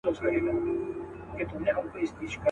د نصیب لیدلی خوب یم، پر زندان غزل لیکمه.